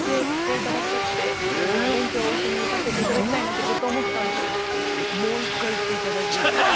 勉強しに行かせていただきたいなってずっと思ってたんです。